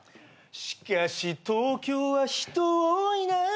しかし東京は人多いなぁ。